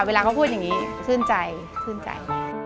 เวลาเขาพูดอย่างนี้ชื่นใจชื่นใจ